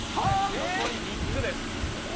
残り３つです。